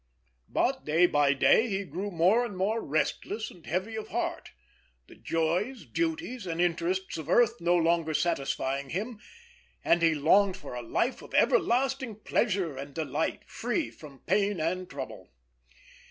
But day by day he grew more and more restless and heavy of heart the joys, duties, and interests of earth no longer satisfying him and he longed for a life of everlasting pleasure and delight, free from pain and trouble.